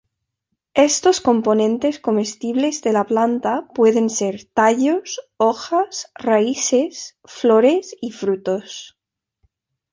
Estos componentes comestibles de la planta pueden ser tallos, hojas, raíces, flores y frutos.